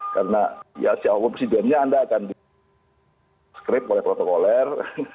karena siapa pun presidennya anda akan diskrip oleh protokoler